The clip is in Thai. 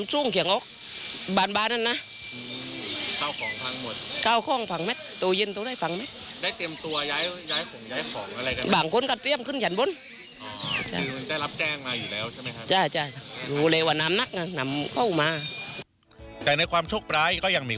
หน้ามักโค้กสูงมากขวางกว่านาที